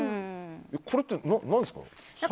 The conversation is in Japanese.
これって、何ですか？